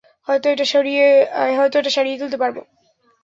হয়তো এটা সারিয়ে তুলতে পারব।